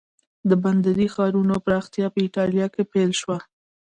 د بندري ښارونو پراختیا په ایټالیا کې پیل شوه.